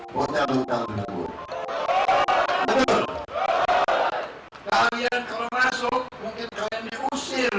kalian kalau masuk mungkin kalian diusir